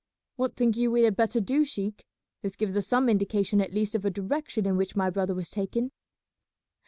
"What think you we had better do, sheik? This gives us some indication at least of a direction in which my brother was taken."